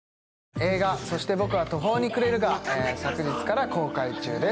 映画「そして僕は途方に暮れる」が昨日から公開中です。